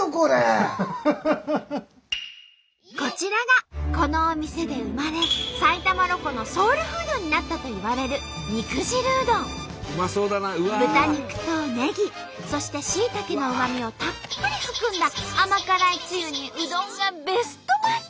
こちらがこのお店で生まれ埼玉ロコのソウルフードになったといわれる豚肉とネギそしてしいたけのうまみをたっぷり含んだ甘辛いつゆにうどんがベストマッチ！